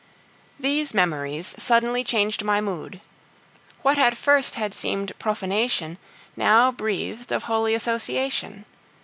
These memories suddenly changed my mood. What at first had seemed profanation, now breathed of holy association.